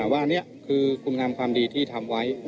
ว่าอันนี้คือคุณงามความดีที่ทำไว้